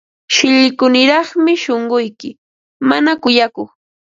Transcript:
Shillkuniraqmi shunquyki, mana kuyakuq.